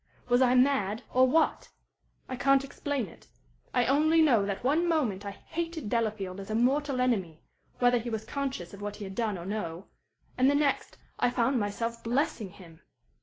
Was I mad, or what? I can't explain it. I only know that one moment I hated Delafield as a mortal enemy whether he was conscious of what he had done or no and the next I found myself blessing him!